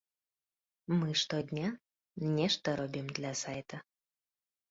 Мы штодня нешта робім для сайта.